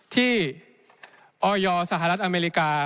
ที่ออยอร์สหรัฐอเมริกา